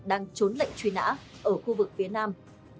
đang trốn lệnh truy nã ở khu vực phía nam